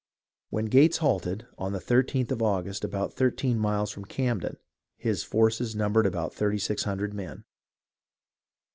Wiien Gates halted, on the 13th of August, about thir teen miles from Camden, his forces numbered about thirty six hundred men.